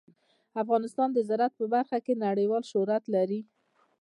افغانستان د زراعت په برخه کې نړیوال شهرت لري.